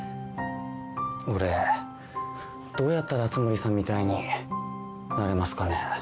俺どうやったら熱護さんみたいになれますかね。